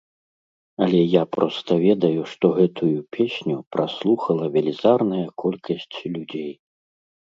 Але я проста ведаю, што гэтую песню праслухала велізарная колькасць людзей.